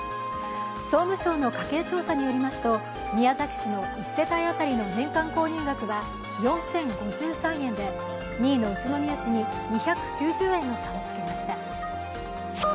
総務省の家計調査によりますと、宮崎市の１世帯当たりの年間購入額は４０５３円で、２位の宇都宮市に２９０円の差をつけました。